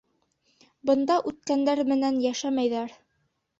— Бында үткәндәр менән йәшәмәйҙәр.